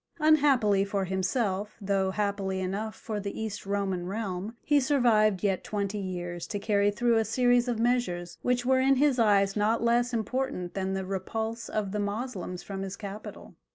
Unhappily for himself, though happily enough for the East Roman realm, he survived yet twenty years to carry through a series of measures which were in his eyes not less important than the repulse of the Moslems from his capital.